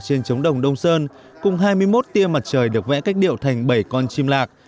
trên trống đồng đông sơn cùng hai mươi một tia mặt trời được vẽ cách điệu thành bảy con chim lạc